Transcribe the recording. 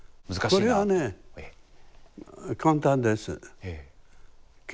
これはね簡単です。